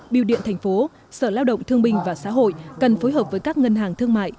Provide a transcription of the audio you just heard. biêu điện thành phố sở lao động thương binh và xã hội cần phối hợp với các ngân hàng thương mại